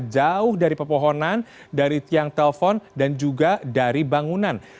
jauh dari pepohonan dari tiang telpon dan juga dari bangunan